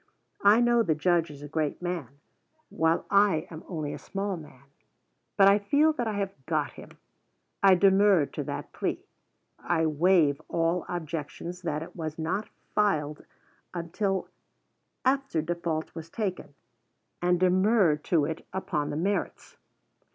I know the Judge is a great man, while I am only a small man; but I feel that I have got him. I demur to that plea. I waive all objections that it was not filed till after default was taken, and demur to it upon the merits.